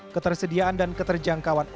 ketersediaan dan keterjangkauan obat